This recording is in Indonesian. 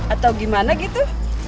atau gimana gitu